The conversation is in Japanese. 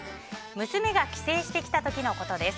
娘が帰省してきた時のことです。